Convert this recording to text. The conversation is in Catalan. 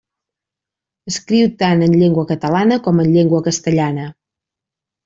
Escriu tant en llengua catalana com en llengua castellana.